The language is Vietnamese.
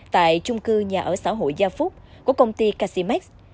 tại trung cư nhà ở xã hội gia phúc của công ty casimax